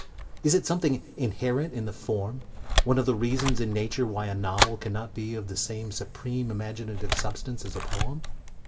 Is it something inherent in the form, one of the reasons in nature why a novel cannot be of the same supreme imaginative substance as a poem?